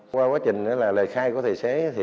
qua quá trình lời khai của thầy xế